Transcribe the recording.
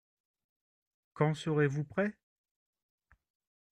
Quand serez-vous prêt ?